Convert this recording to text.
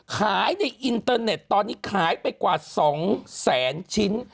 ขายในอินเตอร์เน็ตตอนนี้ขายไปกว่า๒แสนชิ้น